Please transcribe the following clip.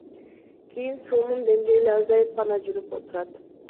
Кийин суунун деңгээли азайып гана жүрүп отурат.